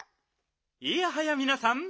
いやはやみなさん。